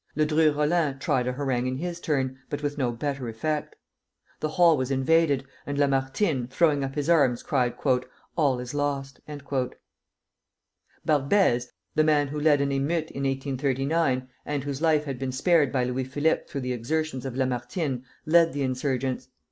Ledru Rollin tried to harangue in his turn, but with no better effect. The hall was invaded, and Lamartine, throwing up his arms, cried, "All is lost!" Barbès, the man who led an emeute in 1839, and whose life had been spared by Louis Philippe through the exertions of Lamartine, led the insurgents.